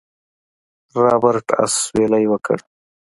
رابرټ اسويلى وکړ.